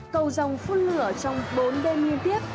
cầu dòng phun lửa trong bốn đêm liên tiếp